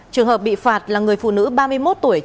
trường hợp bị phạt là người phụ nữ ba mươi một tuổi